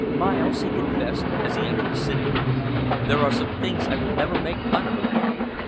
"Miles," he confessed, as he entered the sitting room, "there are some things I will never make fun of again.